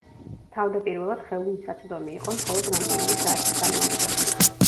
თავდაპირველად ხელმისაწვდომი იყო მხოლოდ რამდენიმე საათის განმავლობაში.